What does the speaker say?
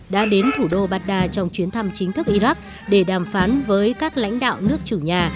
đã đến thủ đô baghdad trong chuyến thăm chính thức iraq để đàm phán với các lãnh đạo nước chủ nhà